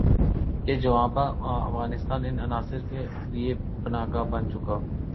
کہ جوابا افغانستان ان عناصر کے لیے پناہ گاہ بن چکا